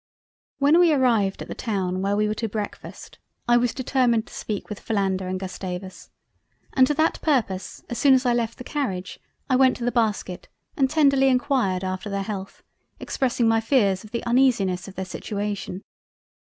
When we arrived at the town where we were to Breakfast, I was determined to speak with Philander and Gustavus, and to that purpose as soon as I left the Carriage, I went to the Basket and tenderly enquired after their Health, expressing my fears of the uneasiness of their situation.